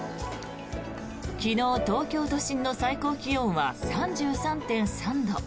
昨日、東京都心の最高気温は３３．３度。